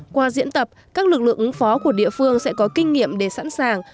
qua diễn tập các lực lượng ứng phó của địa phương sẽ có kinh nghiệm để sẵn sàng